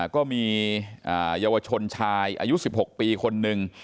ก็มีเยาวชนชายอายุ๑๖ปีคนหนึ่ง